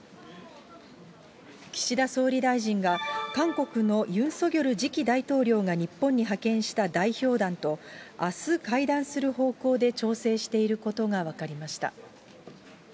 岸田総理大臣が、韓国のユン・ソギョル次期大統領が日本に派遣した代表団とあす会談する方向で調整していることが分かりました。